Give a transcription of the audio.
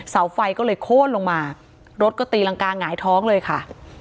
เสาไฟก็เลยโค้นลงมารถก็ตีรังกาหงายท้องเลยค่ะ